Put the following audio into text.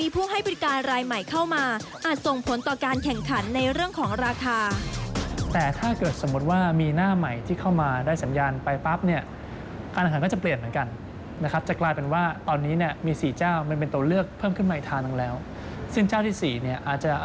เพราะฉะนั้นผมคิดว่าประเด็นหลักอันดับแรกของเขาเนี่ย